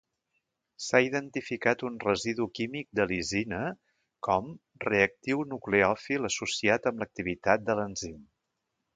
S'ha identificat un residu químic de lisina com reactiu nucleòfil associat amb l'activitat de l'enzim.